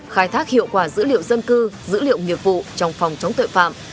khai thác hiệu quả dữ liệu dân cư dữ liệu nghiệp vụ trong phòng chống tội phạm